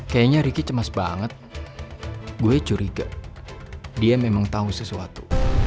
kayaknya ricky cemas banget gue curiga dia memang tahu sesuatu